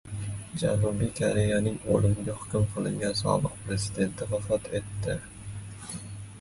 Janubiy Koreyaning o‘limga hukm qilingan sobiq Prezidenti vafot etdi